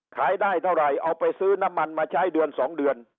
ขายได้เท่าไหร่เอาไปซื้อน้ำมันมาใช้เดือน๒เดือน